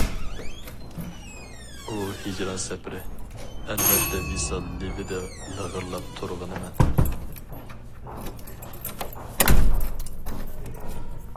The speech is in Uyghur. ئۇ ھىجران سەپىرى، ئەلۋەتتە، ۋىسال لېۋىدە لىغىرلاپ تۇرغىنى مەن.